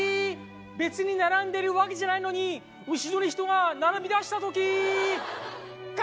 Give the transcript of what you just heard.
別に並んでるわけじゃないのに後ろに人が並びだした時。